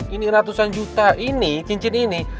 ini ratusan juta ini cincin ini